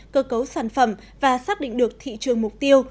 cơ cấu sản phẩm và xác định được thị trường mục tiêu